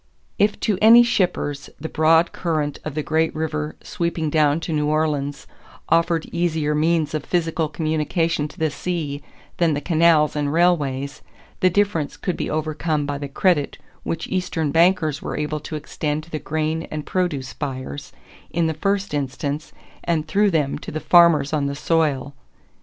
If to any shippers the broad current of the great river sweeping down to New Orleans offered easier means of physical communication to the sea than the canals and railways, the difference could be overcome by the credit which Eastern bankers were able to extend to the grain and produce buyers, in the first instance, and through them to the farmers on the soil.